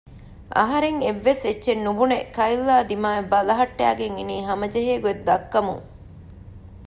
އަހަރެން އެއްވެސް އެއްޗެއް ނުބުނެ ކައިލްއާ ދިމާއަށް ބަލަހައްޓައިގެން އިނީ ހަމަޖެހޭ ގޮތް ދައްކަމުން